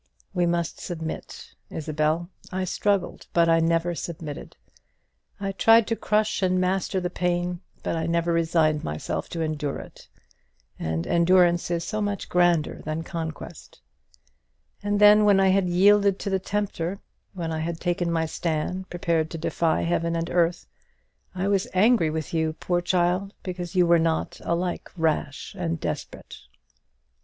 We must submit, Isabel. I struggled; but I never submitted. I tried to crush and master the pain; but I never resigned myself to endure it; and endurance is so much grander than conquest. And then, when I had yielded to the tempter, when I had taken my stand, prepared to defy heaven and earth, I was angry with you, poor child, because you were not alike rash and desperate.